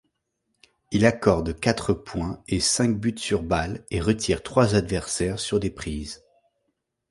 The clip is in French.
Il accorde quatre points et cinq buts-sur-balles et retire trois adversaires sur des prises.